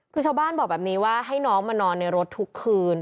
คือชาวบ้านบอกแบบนี้ว่าให้น้องมานอนในรถทุกคืน